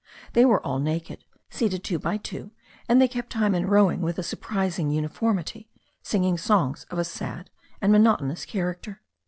They were all naked, seated two by two, and they kept time in rowing with a surprising uniformity, singing songs of a sad and monotonous character.